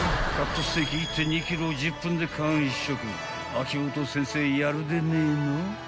［秋元先生やるでねえの］